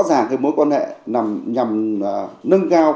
ràng cái mối quan hệ nằm nhằm nâng cao